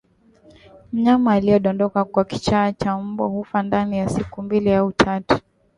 Mnyama aliyedondoka kwa kichaa cha mbwa hufa ndani ya siku mbili au tatu